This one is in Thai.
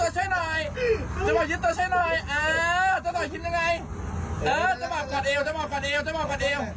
สวยมาก